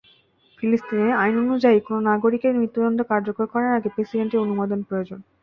ফিলিস্তিনের আইন অনুযায়ী কোনো নাগরিকের মৃত্যুদণ্ড কার্যকর করার আগে প্রেসিডেন্টের অনুমোদন প্রয়োজন।